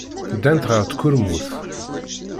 Ddant ɣer tkurmut.